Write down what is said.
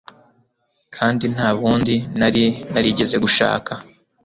kandi nta bundi nari narigeze gushaka